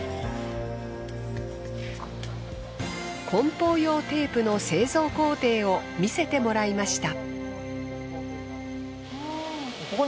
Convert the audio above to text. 梱包用テープの製造工程を見せてもらいました。